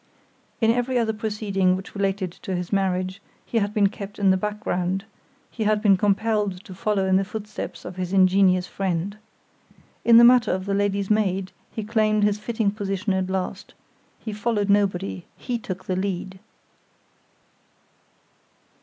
In every other proceeding which related to his marriage, he had been kept in the background; he had been compelled to follow in the footsteps of his ingenious friend. In the matter of the lady's maid he claimed his fitting position at last—he followed nobody; he took the lead!